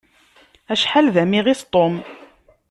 Acḥal d amiɣis Tom!